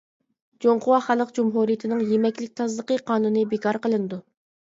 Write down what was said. «جۇڭخۇا خەلق جۇمھۇرىيىتىنىڭ يېمەكلىك تازىلىقى قانۇنى» بىكار قىلىنىدۇ.